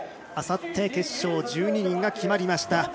あさって決勝、１２人が決まりました。